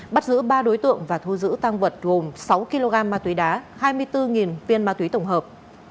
bắt giữ ba đối tượng và thu giữ tăng vật gồm sáu kg ma túy đá hai mươi bốn viên ma túy tổng hợp